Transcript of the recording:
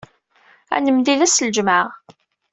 Ad nemlil ass n ljemɛa.